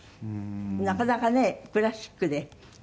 なかなかねクラシックで。